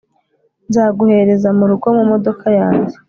nzaguhereza murugo mumodoka yanjye